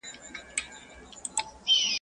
نسیمه را خبر که په سفر تللي یاران.